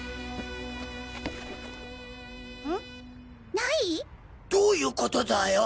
ない？どういうことだよ。